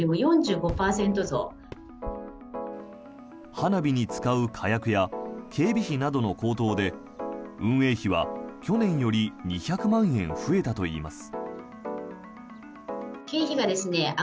花火に使う火薬や警備費などの高騰で運営費は去年より２００万円増えたといいます。